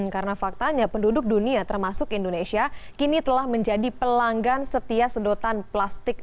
karena faktanya penduduk dunia termasuk indonesia kini telah menjadi pelanggan setia sedotan plastik